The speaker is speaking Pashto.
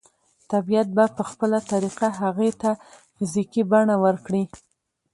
طبيعت به په خپله طريقه هغې ته فزيکي بڼه ورکړي.